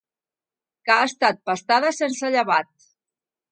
Que ha estat pastada sense llevat.